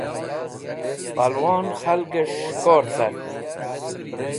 palwon k̃halgesh s̃hẽkor cart